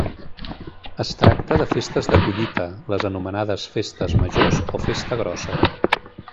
Es tracta de festes de collita, les anomenades Festes Majors o Festa Grossa.